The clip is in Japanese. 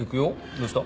どうした？